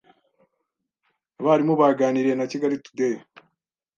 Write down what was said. abarimu baganiriye na Kigali Today